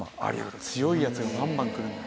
強いやつがバンバン来るんだ。